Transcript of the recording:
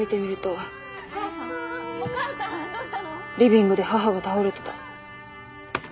リビングで母が倒れてた。